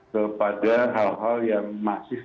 kepada hal hal yang masif